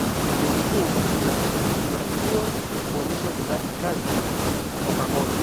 benki kuu inatakiwa kuonesha utendaji kazi wa pamoja